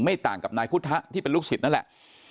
ต่างกับนายพุทธที่เป็นลูกศิษย์นั่นแหละ